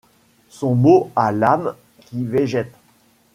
Son mot à l’âme qui végète